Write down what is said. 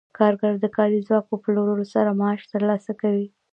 کارګر د کاري ځواک په پلورلو سره معاش ترلاسه کوي